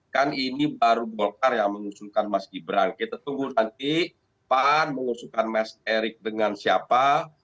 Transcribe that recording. kan ini baru golkar yang mengusulkan mas gibran kita tunggu nanti pan mengusulkan mas erik dengan siapa